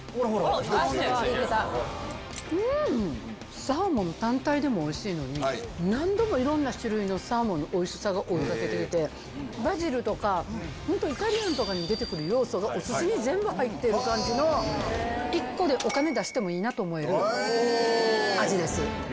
うーん、サーモン単体でもおいしいのに、何度もいろんな種類のサーモンのおいしさが追いかけてきて、バジルとか、本当、イタリアンとかに出てくる要素がお寿司に全部入ってる感じの、１個でお金出してもええなと思える味です。